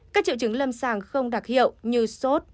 các triệu chứng lâm sàng không đặc hiệu như sốt